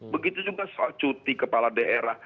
begitu juga soal cuti kepala daerah